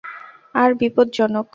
আর, বিপদজনক।